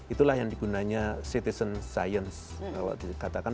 itulah yang digunanya citizen science